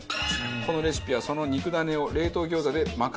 このレシピはその肉ダネを冷凍餃子で賄う事で解決。